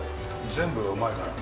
全部がうまいから。